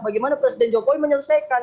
bagaimana presiden jokowi menyelesaikan